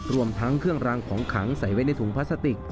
รวมทั้งเครื่องรางของขังใส่ไว้ในถุงพลาสติก